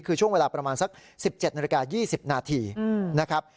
คือช่วงเวลาประมาณสัก๑๗นาฬิกา๒๐นาทีนะครับ